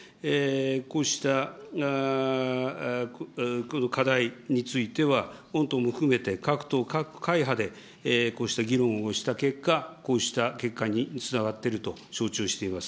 こうしたこの課題については、御党も含めて各党各会派でこうした議論をした結果、こうした結果につながってると承知をしています。